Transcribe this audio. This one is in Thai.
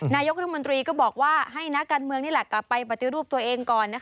นายกรัฐมนตรีก็บอกว่าให้นักการเมืองนี่แหละกลับไปปฏิรูปตัวเองก่อน